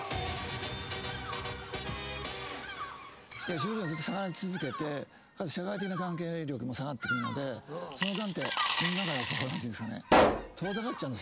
注意力が下がり続けて社会的な関係力も下がってくるのでその間ってみんなから遠ざかっちゃうんですよ。